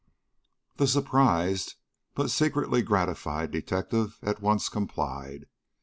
The surprised, but secretly gratified, detective at once complied.